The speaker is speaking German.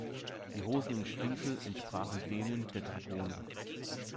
Die Hosen und Stiefel entsprachen denen der Dragoner.